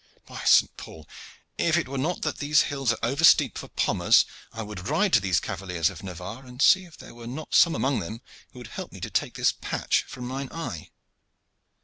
By Saint Paul! if it were not that these hills are over steep for Pommers, I would ride to these cavaliers of Navarre and see if there were not some among them who would help me to take this patch from mine eye.